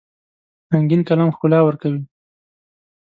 رنګین قلم ښکلا ورکوي.